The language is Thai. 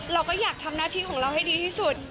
เราก็อยากทำหน้าที่ของเราให้ดีที่สุด